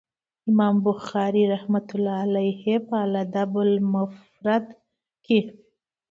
امام بخاري رحمه الله په الأدب المفرد کي